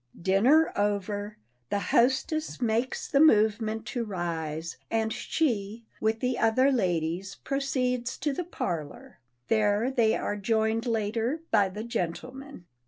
Dinner over, the hostess makes the movement to rise, and she, with the other ladies, proceeds to the parlor. There they are joined later by the gentlemen.